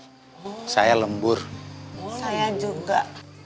lustang saya lembur or saya juga